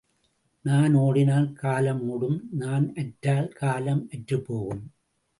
நான் ஓடினால், காலம் ஒடும் நான் அற்றால், காலம் அற்றுப் போகும்.